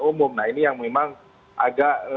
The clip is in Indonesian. umum nah ini yang memang agak